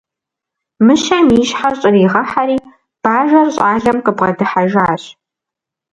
Мыщэм и щхьэр щӏригъэхьэри, бажэр щӏалэм къыбгъэдыхьэжащ.